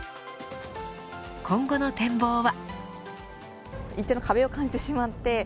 今後の展望は。